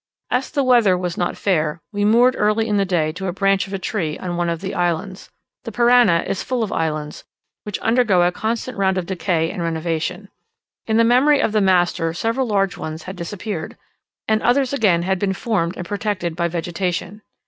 As the weather was not fair, we moored early in the day to a branch of a tree on one of the islands. The Parana is full of islands, which undergo a constant round of decay and renovation. In the memory of the master several large ones had disappeared, and others again had been formed and protected by vegetation.